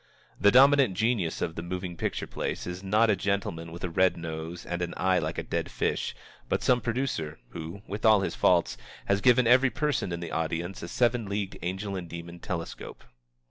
The dominant genius of the moving picture place is not a gentleman with a red nose and an eye like a dead fish, but some producer who, with all his faults, has given every person in the audience a seven leagued angel and demon telescope.